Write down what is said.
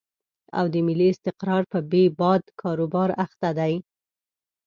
او د ملي استقرار په بې باد کاروبار اخته دي.